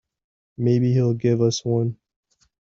Maybe he'll give us one.